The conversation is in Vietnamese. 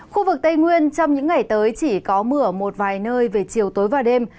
khu vực tây nguyên trong những ngày tới chỉ có mưa ở một vài nơi về chiều tối và đêm